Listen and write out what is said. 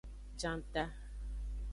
Janta.